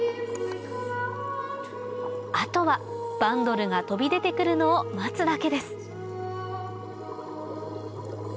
あとはバンドルが飛び出て来るのを待つだけです